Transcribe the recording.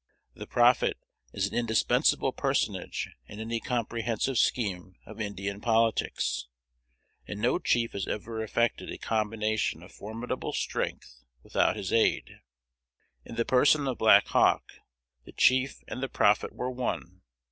The prophet is an indispensable personage in any comprehensive scheme of Indian politics, and no chief has ever effected a combination of formidable strength without his aid. In the person of Black Hawk, the chief and the prophet were one.